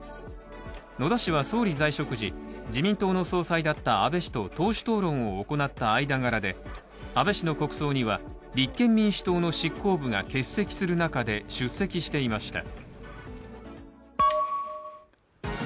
野田氏は総理在職時、自民党の総裁だった安倍氏と党首討論を行った間柄で安倍氏の国葬には立憲民主党の執行部が欠席する中で出席していました。